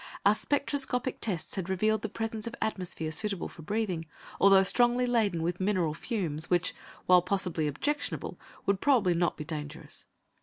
Our spectroscopic tests had revealed the presence of atmosphere suitable for breathing, although strongly laden with mineral fumes which, while possibly objectionable, would probably not be dangerous.